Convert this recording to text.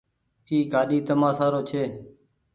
اي گآڏي تمآ سآرو ڇي۔